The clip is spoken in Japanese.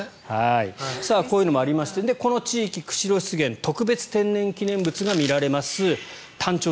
こういうのもありましてこの地域、釧路湿原特別天然記念物が見られます。